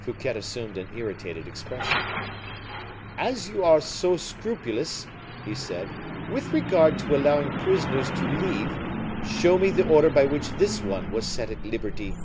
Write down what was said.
Fouquet assumed an irritated expression. "As you are so scrupulous," he said, "with regard to allowing prisoners to leave, show me the order by which this one was set at liberty."